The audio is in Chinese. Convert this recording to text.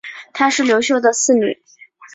她是刘秀的四女。